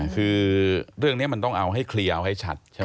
คือเรื่องนี้มันต้องเอาให้เคลียร์เอาให้ชัดใช่ไหม